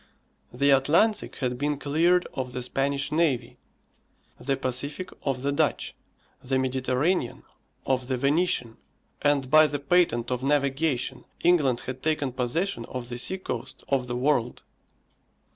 The Atlantic had been cleared of the Spanish navy, the Pacific of the Dutch, the Mediterranean of the Venetian, and by the patent of navigation, England had taken possession of the sea coast of the world.